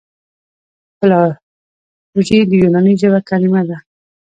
فلالوژي د یوناني ژبي کليمه ده.